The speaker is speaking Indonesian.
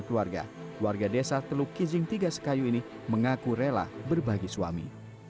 keluarga warga desa teluk kijing tiga sekayu ini mengaku rela berbagi suami